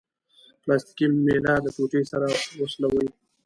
پلاستیکي میله د ټوټې سره وسولوئ.